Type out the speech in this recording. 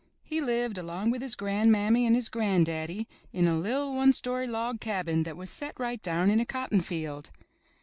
He lived, along with his gran'mammy and his gran'daddy in a liT one story log cabin that was set right down in a cotton field.